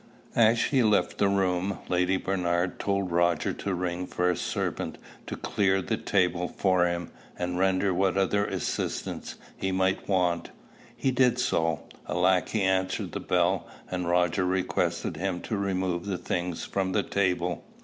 As she left the room, Lady Bernard told Roger to ring for a servant to clear the table for him, and render what other assistance he might want. He did so. A lackey answered the bell, and Roger requested him to remove the things from the table.